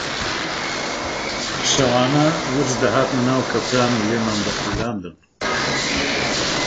شەوانە ورچ دەهاتنە ناو کەپران و لێمان دەقوولاندن